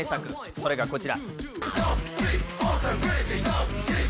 それがこちら。